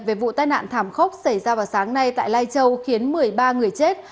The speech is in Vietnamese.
về vụ tai nạn thảm khốc xảy ra vào sáng nay tại lai châu khiến một mươi ba người chết